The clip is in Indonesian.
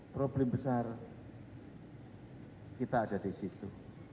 problem besar kita ada di situ